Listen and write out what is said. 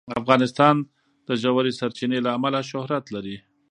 افغانستان د ژورې سرچینې له امله شهرت لري.